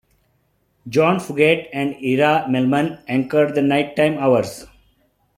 Jean Fugett and Ira Mellman anchored the night-time hours.